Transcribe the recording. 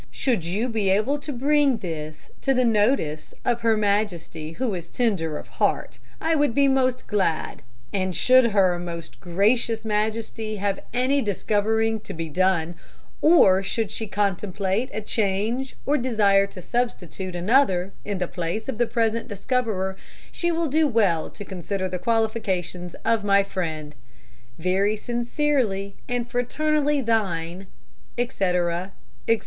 "Should you be able to bring this to the notice of her Majesty, who is tender of heart, I would be most glad; and should her most gracious Majesty have any discovering to be done, or should she contemplate a change or desire to substitute another in the place of the present discoverer, she will do well to consider the qualifications of my friend. "Very sincerely and fraternally thine, "Etc., etc."